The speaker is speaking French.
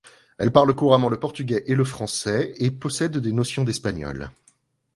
Elle parle couramment le portugais et le français, et possède des notions d'espagnol.